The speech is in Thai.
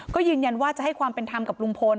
ก็ยืนยันว่าจะให้ความเป็นธรรมกับลุงพล